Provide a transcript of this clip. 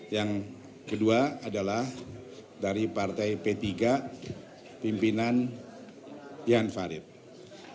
yang kedua adalah dari partai p tiga pimpinan jan farids dan partai bulan bintang